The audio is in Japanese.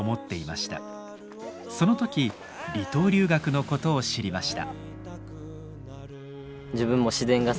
その時離島留学のことを知りました。